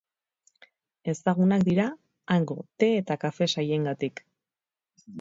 Ezagunak dira hango te eta kafe sailengatik.